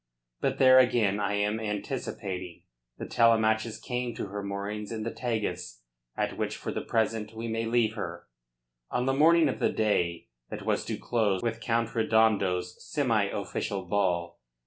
But there again I am anticipating. The Telemachus came to her moorings in the Tagus, at which for the present we may leave her, on the morning of the day that was to close with Count Redondo's semi official ball.